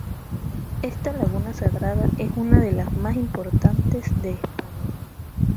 Esta laguna salada es una de las más importantes de España.